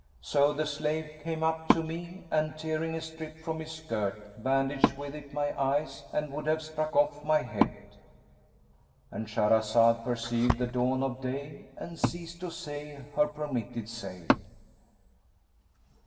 So the slave came up to me and, tearing a strip from his skirt, bandaged with it my eyes[FN#207] and would have struck off my head;"—And Shahrazad perceived the dawn of day and ceased to say her permitted say.